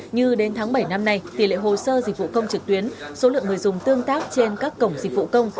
như đến tháng bảy năm nay tỷ lệ hồ sơ dịch vụ công trực tuyến số lượng người dùng tương tác trên các cổng dịch vụ công